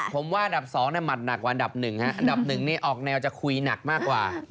ผมว่าอันดับ๒หมัดหนักกว่าอันดับหนึ่งฮะอันดับหนึ่งนี่ออกแนวจะคุยหนักมากกว่า